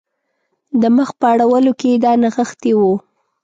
د مخ په اړولو کې یې دا نغښتي وو.